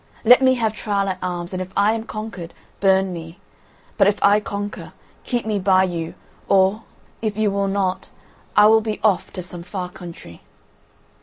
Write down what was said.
Let me have trial at arms, and if I am conquered, burn me, but if I conquer, keep me by you, or, if you will not, I will be off to some far country."